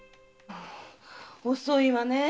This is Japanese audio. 遅いわねえ。